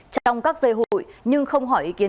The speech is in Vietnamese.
trong các dây hụi nhưng không hỏi ý kiến